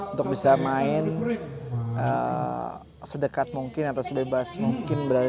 untuk bisa main sedekat mungkin atau sebebas mungkin berada